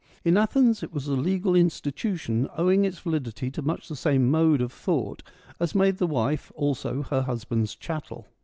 In Athens it was a legal institu tion, owing its validity to much the same mode of thought as made the wife also her husband's chattel.